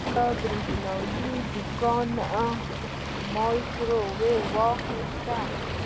ما له برېښنايي دوکانه مایکروویو واخیست.